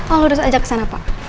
oh lu terus ajak kesana pak